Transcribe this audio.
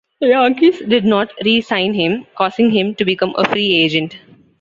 The Yankees did not re-sign him, causing him to become a free agent.